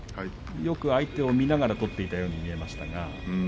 よく相手を見ながら取っていたように見えましたが。